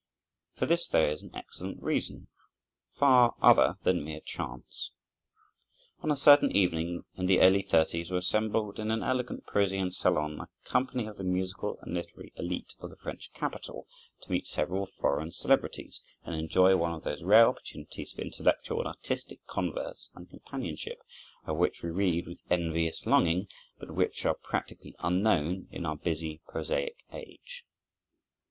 For this there is an excellent reason, far other than mere chance. On a certain evening in the early thirties were assembled in an elegant Parisian salon a company of the musical and literary élite of the French capital, to meet several foreign celebrities and enjoy one of those rare opportunities for intellectual and artistic converse and companionship, of which we read with envious longing, but which are practically unknown in our busy, prosaic age.